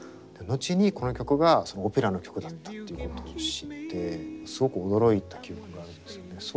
後にこの曲がオペラの曲だったっていうことを知ってすごく驚いた記憶があるんですよね。